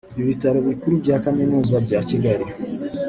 ibitaro bikuru bya kaminuza bya Kigali